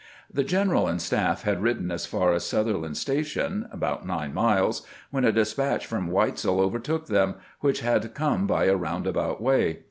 The general and staff had ridden as far as Suther land's Station — about nine miles — when a despatch from Weitzel overtook him, which had come by a roundabout way.